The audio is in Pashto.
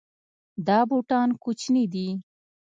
دا بوټان کوچني دي